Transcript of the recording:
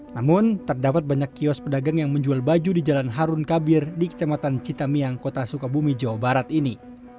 namun terdapat banyak kios pedagang yang menjual baju di jalan harun kabir di kecamatan citamiang kota sukabumi jawa barat ini